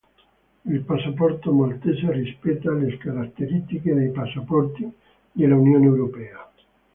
Il passaporto maltese rispetta le caratteristiche dei passaporti dell'Unione europea.